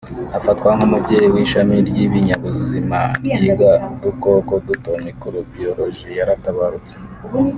afatwa nk’umubyeyi w’ishami ry’ibinyabuzima ryiga udukoko duto (microbiology) yaratabarutse